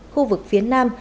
khu vực phía nam